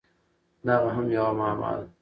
دغه هم یوه معما ده!